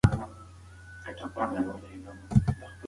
شعر د تجربو انعکاس کوي.